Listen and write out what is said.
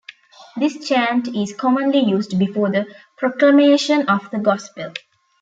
This chant is commonly used before the proclamation of the Gospel.